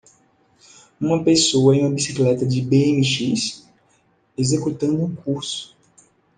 Uma pessoa em uma bicicleta de bmx? executando um curso.